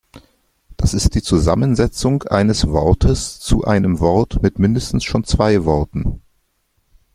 Das ist die Zusammensetzung eines Wortes zu einem Wort mit mindestens schon zwei Worten.